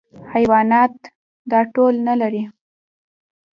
حیوانات دا توان نهلري.